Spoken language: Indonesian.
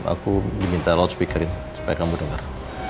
aku diminta loudspeakerin supaya kamu denger